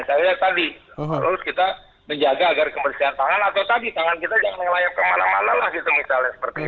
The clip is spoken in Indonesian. saya lihat tadi terus kita menjaga agar kebersihan tangan atau tadi tangan kita jangan ngelayar kemana mana lah gitu misalnya seperti itu